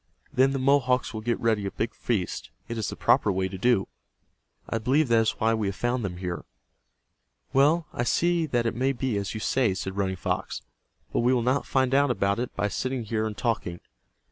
Then the Mohawks will get ready a big feast. It is the proper way to do. I believe that is why we have found them here." "Well, I see that it may be as you say," said Running Fox. "But we will not find out about it by sitting here and talking.